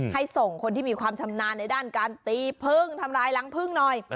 ส่งคนที่มีความชำนาญในด้านการตีพึ่งทำลายรังพึ่งหน่อย